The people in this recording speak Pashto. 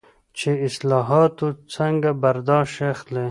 چې له اصطلاحاتو څنګه برداشت اخلي.